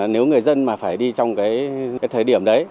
nếu người dân mà phải đi trong cái thời điểm đấy